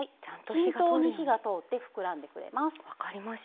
均等に火が通って膨らんでくれます。